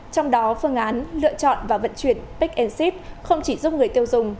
trong đó phương án lựa chọn và vận chuyển pick and ship không chỉ giúp người tiêu dùng